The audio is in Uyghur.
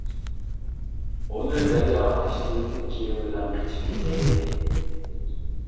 ئۇنى دەرياغا تاشلىۋېتىپ كېمە بىلەن قېچىپ كېتەيلى!